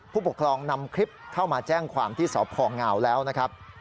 ผู้ปกครองนำคลิปเข้ามาแจ้งความที่สพงแล้วนะครับ